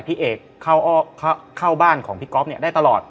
พี่เอกเข้าบ้านของพี่ก๊อฟเนี่ยได้ตลอด